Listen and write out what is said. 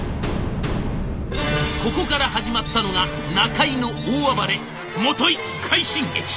ここから始まったのが中井の大暴れもとい快進撃。